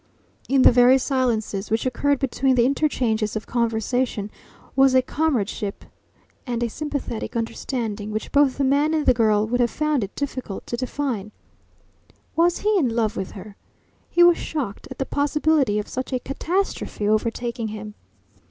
In the very silences which occurred between the interchanges of conversation was a comradeship and a sympathetic understanding which both the man and the girl would have found it difficult to define. Was he in love with her? He was shocked at the possibility of such a catastrophe overtaking him.